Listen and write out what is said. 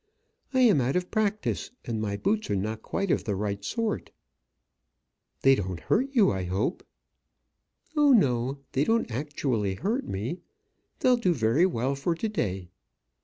I am out of practice; and my boots are not quite of the right sort." "They don't hurt you, I hope." "Oh, no; they don't actually hurt me. They'll do very well for to day."